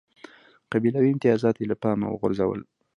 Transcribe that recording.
قبیلوي امتیازات یې له پامه وغورځول.